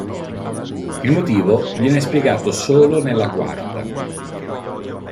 Il motivo viene spiegato solo nella quarta.